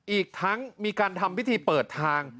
อีกทั้งมีการทำพิธีเปิดทาง